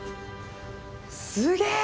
すげえ！